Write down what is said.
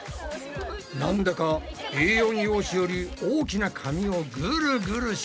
なんだかＡ４用紙より大きな紙をグルグルしているぞ。